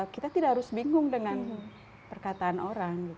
kita tidak harus bingung dengan perkataan orang